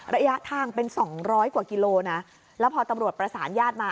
ระยะทางเป็นสองร้อยกว่ากิโลนะแล้วพอตำรวจประสานญาติมา